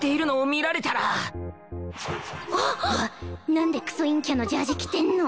なんでクソ陰キャのジャージ着てんの？